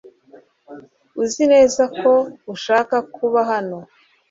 Uzi neza ko ushaka kuba hano